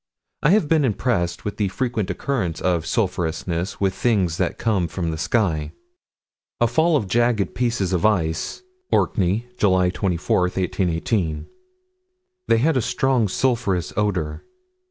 I have been impressed with the frequent occurrence of sulphurousness with things that come from the sky. A fall of jagged pieces of ice, Orkney, July 24, 1818 (Trans. Roy. Soc. Edin., 9 187). They had a strong sulphurous odor.